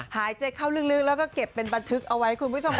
หายใจเข้าลึกแล้วก็เก็บเป็นบันทึกเอาไว้